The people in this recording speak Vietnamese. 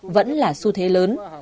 vẫn là su thế lớn